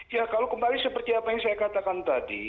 ya kalau kembali seperti apa yang saya katakan tadi